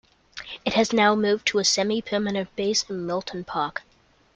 It has now moved to a semi-permanent base in Milton Park.